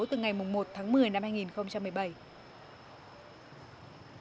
từ ngày một tháng một mươi năm hai nghìn một mươi bảy